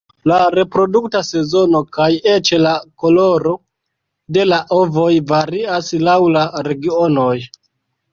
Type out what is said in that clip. La reprodukta sezono kaj eĉ la koloro de la ovoj varias laŭ la regionoj.